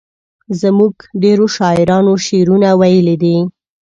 زموږ ډیرو شاعرانو شعرونه ویلي دي.